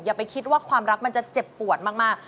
อย่าไปคิดว่าความรักมันจะเจ็บปวดมาก